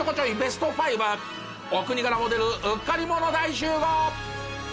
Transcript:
お国柄も出るうっかり者大集合！